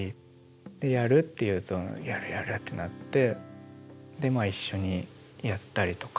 で「やる？」って言うと「やるやる」ってなってでまあ一緒にやったりとか。